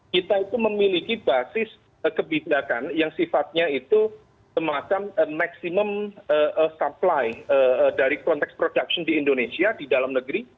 kita itu memiliki basis kebijakan yang sifatnya itu semacam maximum supply dari konteks production di indonesia di dalam negeri